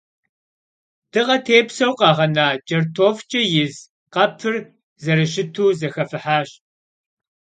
Dığe têpseu khağena ç'ert'ofç'e yiz khepır zerışıtu zexefıhaş.